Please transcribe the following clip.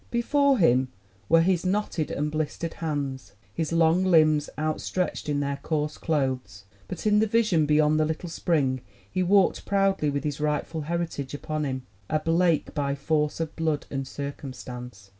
"Before him were his knotted and blistered hands, his long limbs outstretched in their coarse clothes, but in the vision beyond the little spring he walked proudly with his rightful heritage upon him a Blake by force of blood and circumstance.